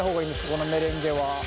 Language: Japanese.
このメレンゲは。